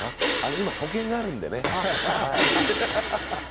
今、保険があるんでね。